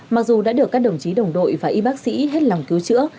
mặc dù đã được các đồng chí đồng đội và y bác sĩ hết lòng cứu chữa